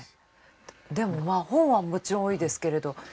でも本はもちろん多いですけれど。